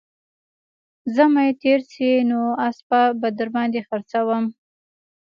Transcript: زمى تېر سي نو اسپه به در باندې خرڅوم